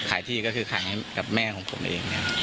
ขายที่ก็คือขายให้กับแม่ของผมเองนะครับครับ